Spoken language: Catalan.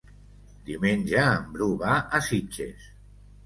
Diumenge en Bru va a Sitges.